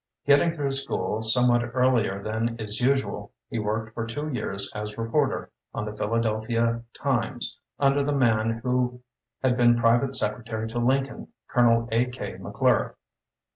Getting through school some what earlier than is usual, he worked for two years as reporter on the Phila delphia "Times", under the man who had been private secretary to Lincoln, Colonel A. K McGlure.